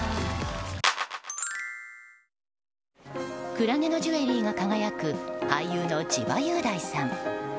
クラゲのジュエリーが輝く俳優の千葉雄大さん。